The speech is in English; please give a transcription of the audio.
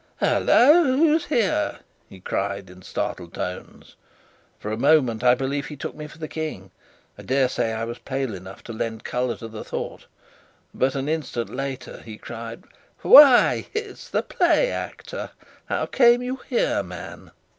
"Hullo! who's here?" he cried in startled tones. For a moment, I believe, he took me for the King I dare say I was pale enough to lend colour to the thought; but an instant later he cried: "Why it's the play actor! How come you here, man?"